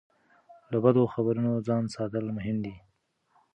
له بدو خبرونو ځان ساتل مهم دي.